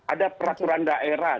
ada peraturan daerah